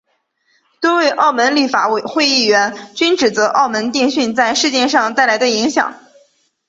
多位澳门立法会议员均指责澳门电讯在事件上带来的影响。